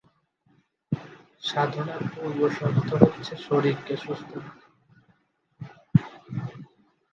সাধনার পূর্বশর্ত হচ্ছে শরীরকে সুস্থ রাখা।